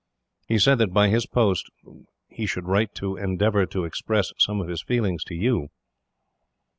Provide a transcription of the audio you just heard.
"He said that, by this post, he should write to endeavour to express some of his feelings to you.